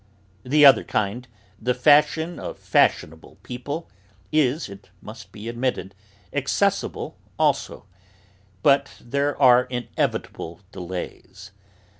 The other kind, the fashion of 'fashionable people,' is, it must be admitted, accessible also; but there are inevitable delays.